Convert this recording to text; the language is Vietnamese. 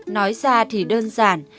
nói ra thì đơn giản